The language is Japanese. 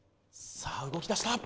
さあ動きだした。